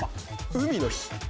海の日。